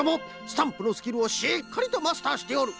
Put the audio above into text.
スタンプのスキルをしっかりとマスターしておる。